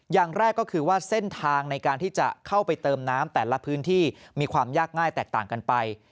อย่างแรกก็คือว่าเส้นทางในการที่จะเข้าไปเติมน้ำแต่ละพื้นที่มีความยากง่ายแตกต่างกันไป